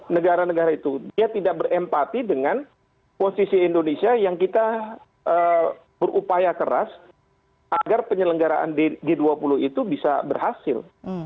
negara negara itu dia tidak berempati dengan posisi indonesia yang kita berupaya keras agar penyelenggaraan g dua puluh itu bisa berhasil